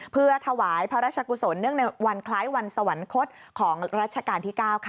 เพื่อถวายพระราชกุศลเนื่องในวันคล้ายวันสวรรคตของรัชกาลที่๙ค่ะ